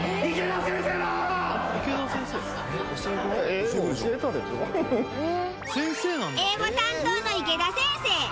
英語担当の池田先生。